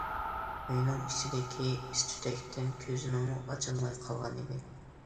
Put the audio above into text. ئۆينىڭ ئىچىدىكى ئىس- تۈتەكتىن كۆزىنىمۇ ئاچالماي قالغانىدى.